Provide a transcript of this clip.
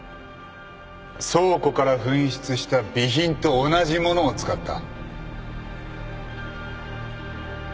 倉庫から紛失した備品と同じものを使った。